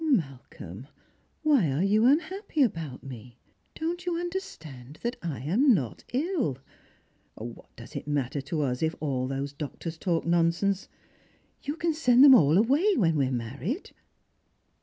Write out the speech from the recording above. " Malcolm, why are you unhappy about me ? Don't yotl understand that I am not ill ? What does it matter to us if all those doctors talk nonsense? You can send them all awa]' when we are married."